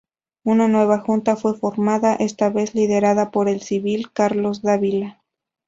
Una nueva junta fue formada, esta vez liderada por el civil Carlos Dávila.